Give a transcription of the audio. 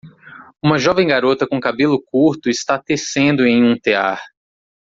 Uma jovem garota com cabelo curto está tecendo em um tear.